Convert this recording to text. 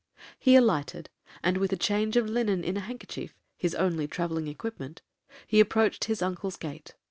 He alighted, and with a change of linen in a handkerchief, (his only travelling equipment), he approached his uncle's gate.